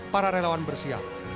para relawan bersiap